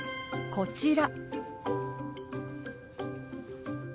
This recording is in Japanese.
こちら。